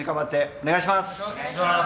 お願いします。